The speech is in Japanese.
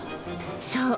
そう。